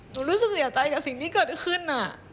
รู้สึกเสียใจกับสิ่งที่เกิดขึ้น